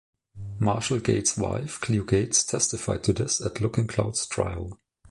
Marshall's wife, Cleo Gates, testified to this at Looking Cloud's trial.